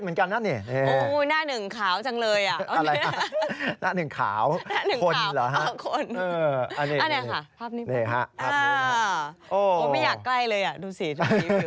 ทุกวันนี้ครับควรไม่อยากใกล้เลยดูสิดูสิ